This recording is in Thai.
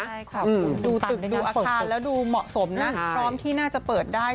ใช่ค่ะดูตึกดูอาคารแล้วดูเหมาะสมนะพร้อมที่น่าจะเปิดได้